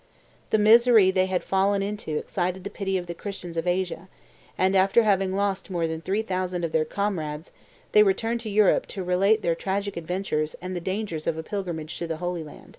The misery they had fallen into excited the pity of the Christians of Asia; and, after having lost more than three thousand of their comrades, they returned to Europe to relate their tragic adventures and the dangers of a pilgrimage to the Holy Land."